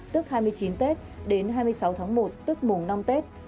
tức hai mươi chín tết đến hai mươi sáu tháng một tức mùng năm tết